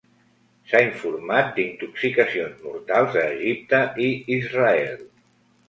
S'ha informat d'intoxicacions mortals a Egipte i Israel.